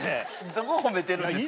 どこ褒めてるんですか？